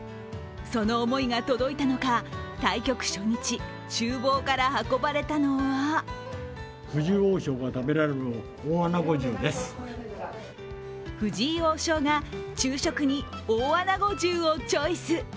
その思いが届いたのか対局初日、ちゅう房から運ばれたのは藤井王将が昼食に大あなご重をチョイス。